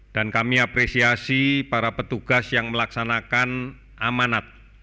dan kami apresiasi para petugas yang melaksanakan amanat